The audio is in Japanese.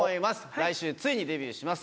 来週ついにデビューします。